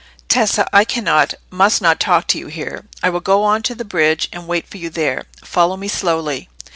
"Tessa, I cannot—must not talk to you here. I will go on to the bridge and wait for you there. Follow me slowly."